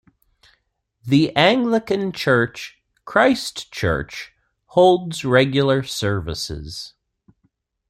The Anglican church, "Christ Church" holds regular services.